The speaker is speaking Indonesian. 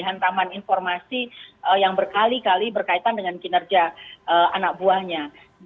hantaman informasi yang berkali kali berkaitan dengan kinerja anak buahnya